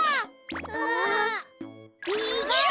あ！にげろ！